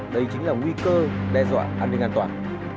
đây chính là nguy cơ đe dọa an ninh an toàn